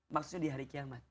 maksudnya di hari kiamat